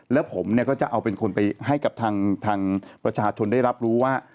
แล้วผมเนี่ยก็จะเอาเป็นคนไปให้กับทางประชาชนได้รับรู้ว่า